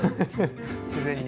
自然に。